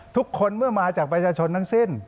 ทุกคนเมื่อมาจากประชาชนทั้งสิ้น